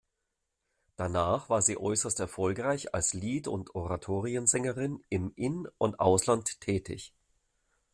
Danach war sie äußerst erfolgreich als Lied- und Oratoriensängerin im In- und Ausland tätig.